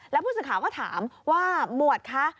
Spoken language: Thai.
แล้วผู้สื่อข่าวก็ถามว่าหมวดคะ